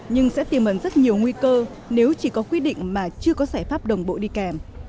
nhưng sẽ tiềm ẩn rất nhiều nguy cơ nếu chỉ có quy định mà chưa có giải pháp đồng bộ đi kèm